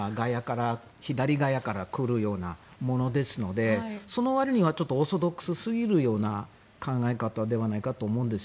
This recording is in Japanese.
左外野から来るようなものですのでその割にはオーソドックスすぎる考え方ではないかなと思うんです。